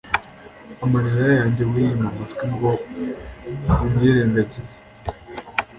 amarira yanjye wiyima amatwi ngo uyirengagize